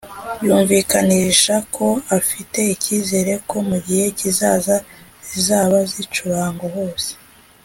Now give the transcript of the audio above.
yumvikanisha ko afite icyizere ko mu gihe kizaza zizaba zicurangwa hose